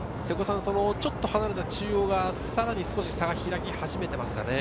ちょっと離れた中央が、さらに少し差が開き始めていますかね。